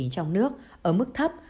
trong nước ở mức thấp